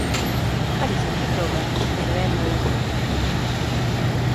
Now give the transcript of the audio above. Parécelle broma, pero é moi importante.